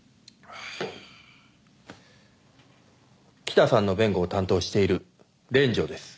北さんの弁護を担当している連城です。